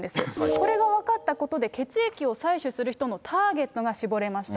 これが分かったことで、血液を採取する人のターゲットが絞れました。